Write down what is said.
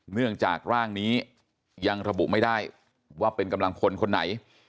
เนื่องจากร่างนี้ยังระบุไม่ได้ว่าเป็นกำลังพลคนไหน